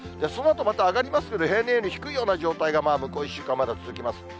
そのあとまた上がりますけど、平年より低いような状態が向こう１週間、まだ続きます。